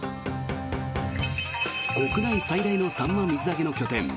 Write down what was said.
国内最大のサンマ水揚げの拠点